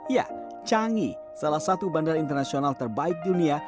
ya changi salah satu bandara internasional terbaik dunia